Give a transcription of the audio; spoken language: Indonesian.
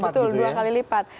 betul dua kali lipat